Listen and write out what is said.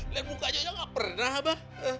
lihat mukanya juga gak pernah be